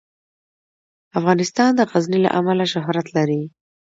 افغانستان د غزني له امله شهرت لري.